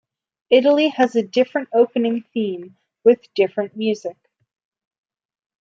Italy has a different opening theme with different music.